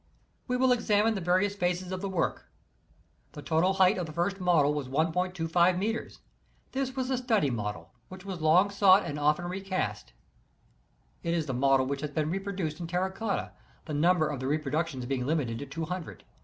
We will examine the various phases of the work. The total height of the first model was i.25 metres. This was the study model which was long sought and often recast. 3( B*r>c"^*''" — ~'~'— ~^^=~.^ (It is the model which e^ _ has been reproduced in terra cotta, the number of the repro ductions being limited to two hundred.